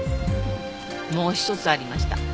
もう一つありました。